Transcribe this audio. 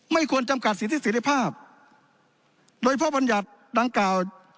ไม่ควรจำกัดสิทธิเสร็จภาพโดยเพราะบรรยัติดังกล่าว